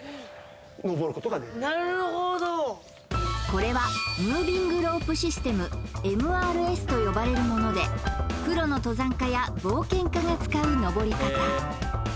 これはムービングロープシステムＭＲＳと呼ばれるものでプロの登山家や冒険家が使う登り方